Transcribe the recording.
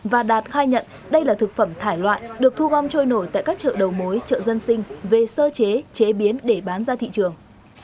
và đạt khai nhận đây là thực phẩm thải loại được thu gom trôi nổi tại các chợ đầu mối chợ dân sinh về sơ chế chế biến để bán ra thị trường